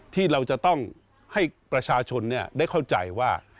ที่เราจะต้องให้ประชาชนได้เข้าใจว่า